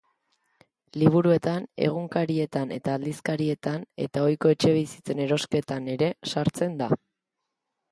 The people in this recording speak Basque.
Liburuetan, egunkarietan eta aldizkarietan eta ohiko etxebizitzen erosketan ere sartzen da.